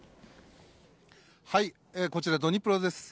こちら、ドニプロです。